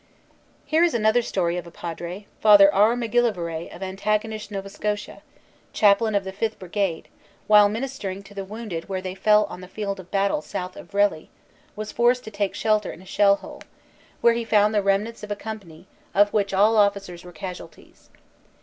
Here is another story of a Padre. Father R. MacGillivray of Antigonish, N.S., chaplain of the 5th Brigade, while minis tering to the wounded where they fell on the field of battle south of Vrely, was forced to take shelter in a shell hole, where he found the remnants of a company of which all officers were casualties.